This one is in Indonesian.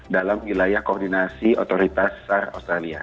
dalam wilayah koordinasi otoritas sar australia